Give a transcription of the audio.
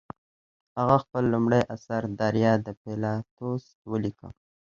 هغه خپل لومړی اثر دریا د پیلاتوس ولیکه.